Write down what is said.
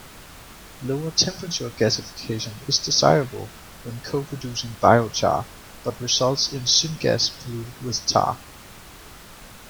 Lower-temperature gasification is desirable when co-producing biochar, but results in syngas polluted with tar.